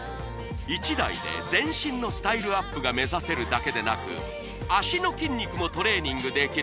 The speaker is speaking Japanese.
１台で全身のスタイルアップが目指せるだけでなく脚の筋肉もトレーニングできる